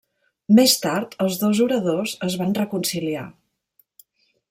Més tard els dos oradors es van reconciliar.